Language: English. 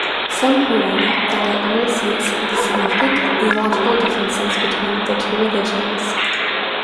Some hold that it understates the significant theological differences between the two religions.